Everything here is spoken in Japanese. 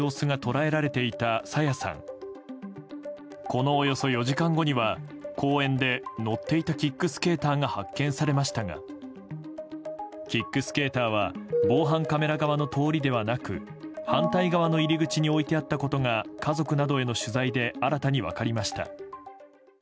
このおよそ４時間後には公園で乗っていたキックスケーターが発見されましたがキックスケーターは防犯カメラ側の通りではなく反対側の入り口に置いてあったことが家族などへの取材で新たに分かりました。